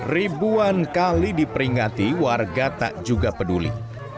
ribuan kali diperingati warga tak juga peduli